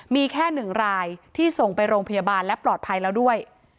มีแค่๑รายที่ส่งไปโรงพยาบาลและปลอดภัยแล้วด้วย